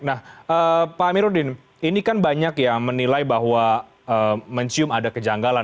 nah pak amiruddin ini kan banyak yang menilai bahwa mencium ada kejanggalan